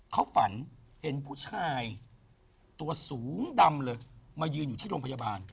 เขาฝันเห็นผู้ชายตัวสูงดำเลยมายืนอยู่ที่โรงพยาบาล